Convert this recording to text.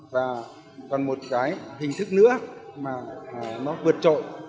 và còn một cái hình thức nữa mà nó vượt trội